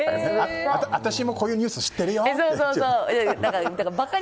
あと、私もこういうニュース知ってるよとか。